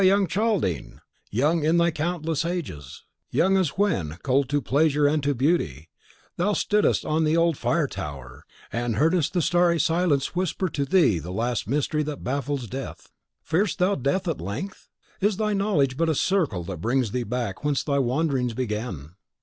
"Ha, young Chaldean! young in thy countless ages, young as when, cold to pleasure and to beauty, thou stoodest on the old Firetower, and heardest the starry silence whisper to thee the last mystery that baffles Death, fearest thou Death at length? Is thy knowledge but a circle that brings thee back whence thy wanderings began!